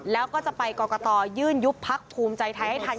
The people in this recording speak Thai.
แล้วก็จะไปกรกตยื่นยุบพักภูมิใจไทยให้ทัน